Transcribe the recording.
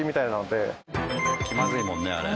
気まずいもんねあれ。